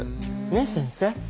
ねえ先生。